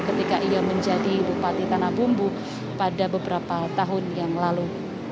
ketika ia menjadi bupati tanah bumbu pada beberapa tahun yang lalu